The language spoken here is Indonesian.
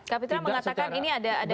kapitra mengatakan ini ada